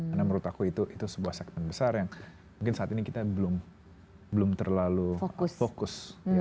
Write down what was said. karena menurut aku itu sebuah segmen besar yang mungkin saat ini kita belum terlalu fokus